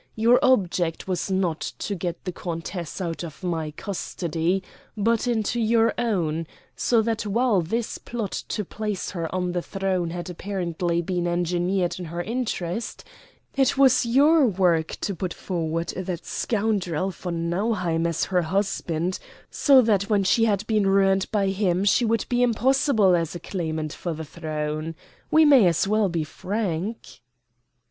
Your object was not to get the countess out of my custody, but into your own, so that while this plot to place her on the throne had apparently been engineered in her interest it was the Ostenburg heir who should benefit. It was your work to put forward that scoundrel von Nauheim as her husband, so that when she had been ruined by him she would be impossible as a claimant for the throne. We may as well be frank."